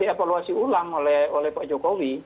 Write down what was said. dievaluasi ulang oleh pak jokowi